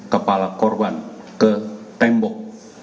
kepala korban ke tembok